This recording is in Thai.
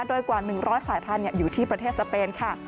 โดยกว่า๑๐๐สายพันธุ์อยู่ที่ประเทศสเปนค่ะ